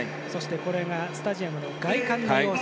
スタジアムの外観の様子